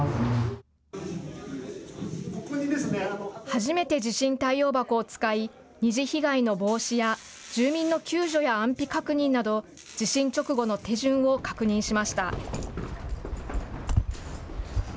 初めて地震対応箱を使い、二次被害の防止や、住民の救助や安否確認など、地震直後の手順を確認しました。